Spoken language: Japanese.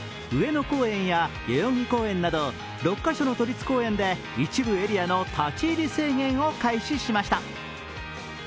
上野公園や代々木公園など６カ所の都立公園で一部エリアの立ち入り制限を開始しました。